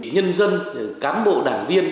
nhân dân cán bộ đảng viên